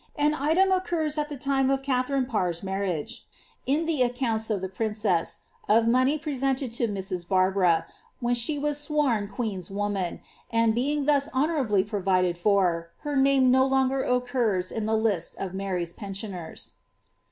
An item occurs at the time of Katharine Parr^s marriage, io the accounts of the princess, of money presented to Mrs. Barban, whai she was sworn queen 'S woman ; and, being thus honourably provided for, her name no longer occurs on the list of Mary^s pensioners.